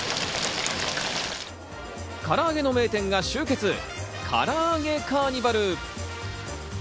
からあげの名店が集結、からあげカーニバル。